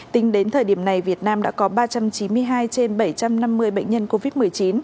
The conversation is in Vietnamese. tính đến thời điểm này việt nam đã có ba trăm chín mươi hai trên bảy trăm năm mươi bệnh nhân covid một mươi chín